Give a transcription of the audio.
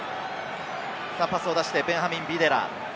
さぁパスを出してベンハミン・ビデラ。